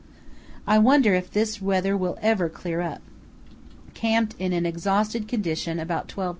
I wonder if this weather will ever clear up. Camped in an exhausted condition about 12.10.